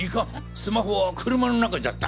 スマホは車の中じゃった。